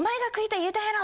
言うたんやろけ。